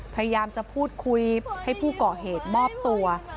พยายามจะพูดคุยให้ผู้ก่อเหตุมอบตัว